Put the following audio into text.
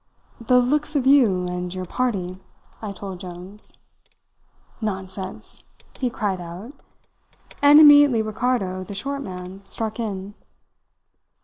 "'The looks of you and your party,' I told Jones. "'Nonsense!' he cried out, and immediately Ricardo, the short man, struck in.